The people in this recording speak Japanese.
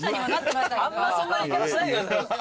あんまそんな言い方しないで。